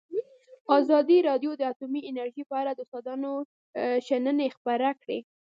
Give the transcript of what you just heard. ازادي راډیو د اټومي انرژي په اړه د استادانو شننې خپرې کړي.